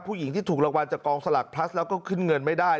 ผู้หญิงที่ถูกรางวัลจากกองสลักพลัสแล้วก็ขึ้นเงินไม่ได้